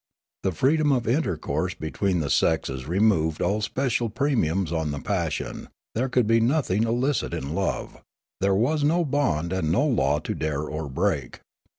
The freedom of intercourse between the sexes removed all special premiums on the passion ; there could be nothing illicit in love ; there was no bond and no law to dare or break.